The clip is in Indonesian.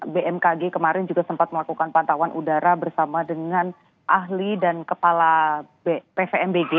bmkg kemarin juga sempat melakukan pantauan udara bersama dengan ahli dan kepala pvmbg